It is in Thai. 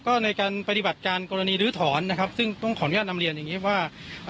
ก็ในการปฏิบัติการกรณีลื้อถอนนะครับซึ่งต้องขออนุญาตนำเรียนอย่างนี้ว่า